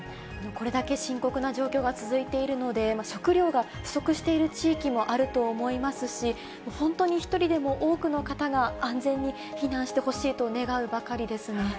これだけ深刻な状況が続いているので、食料が不足している地域もあると思いますし、本当に一人でも多くの方が安全に避難してほしいと願うばかりですね。